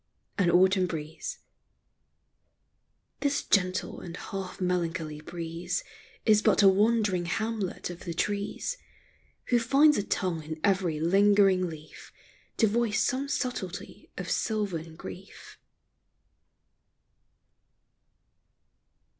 AN AUTUMN BREEZE. This gentle and half melancholy breeze Is but a wandering Hamlet of the trees, Who finds a tongue in every lingering leaf To voice some subtlety of sylvan grief.